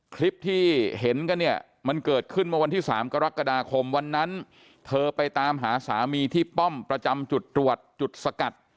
คลิปที่เห็นกันเนี่ยมันเกิดขึ้นเมื่อวันที่๓กรกฎาคมวันนั้นเธอไปตามหาสามีที่ป้อมประจำจุดตรวจจุดสกัด